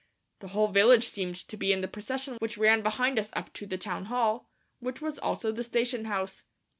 The whole village seemed to be in the procession which ran behind us up to the town hall, which was also the station house.